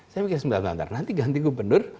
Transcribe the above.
saya mikir nanti ganti gubernur